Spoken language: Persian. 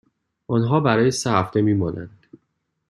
آنها برای سه هفته می مانند.